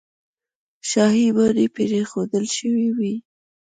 شاهي ماڼۍ پرېښودل شوې وې.